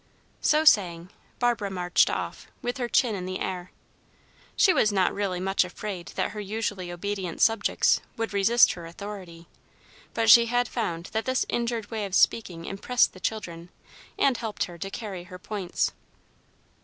So saying, Barbara marched off, with her chin in the air. She was not really much afraid that her usually obedient subjects would resist her authority; but she had found that this injured way of speaking impressed the children, and helped her to carry her points.